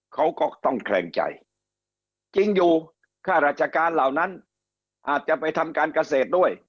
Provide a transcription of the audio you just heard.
เขาก็ต้องแคลงใจจริงอยู่ค่าราชการเหล่านั้นอาจจะไปทำการเกษตรด้วย